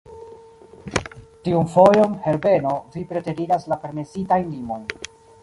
Tiun fojon, Herbeno, vi preteriras la permesitajn limojn.